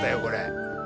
これ。